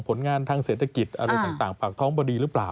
ผลงานทางเศรษฐกิจอะไรต่างปากท้องพอดีหรือเปล่า